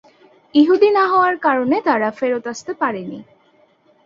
ইহুদি না হওয়ার কারণে তারা ফেরত আসতে পারেনি।